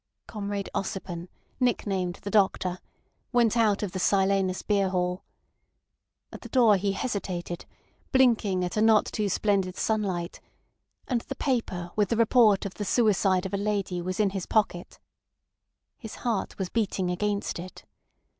Comrade Ossipon, nicknamed the Doctor, went out of the Silenus beer hall. At the door he hesitated, blinking at a not too splendid sunlight—and the paper with the report of the suicide of a lady was in his pocket. His heart was beating against it.